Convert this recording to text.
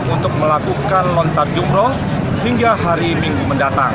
untuk melakukan lontar jumroh hingga hari minggu mendatang